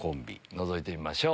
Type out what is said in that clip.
のぞいてみましょう。